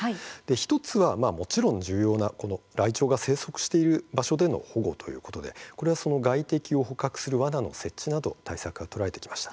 １つは、もちろん重要なライチョウが生息している場所での保護ということでこれは外敵を捕獲するわななどの対策が取られてきました。